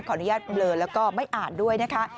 อนุญาตเบลอแล้วก็ไม่อ่านด้วยนะคะ